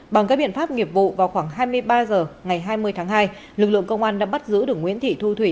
bằng các biện pháp nghiệp vụ vào khoảng hai mươi ba h ngày hai mươi tháng hai lực lượng công an đã bắt giữ được nguyễn thị thu thủy